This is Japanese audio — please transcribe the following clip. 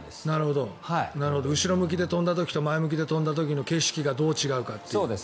なるほど、後ろ向きで跳んだ時と前向きで跳んだ時の景色がどう違うかという。